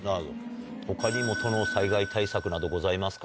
他にも都の災害対策などございますか？